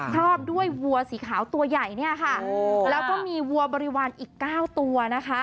ชอบด้วยวัวสีขาวตัวใหญ่เนี่ยค่ะแล้วก็มีวัวบริวารอีก๙ตัวนะคะ